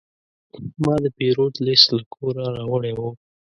ما د پیرود لیست له کوره راوړی و.